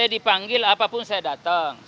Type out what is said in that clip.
ya saya menghormati dari awal kan saya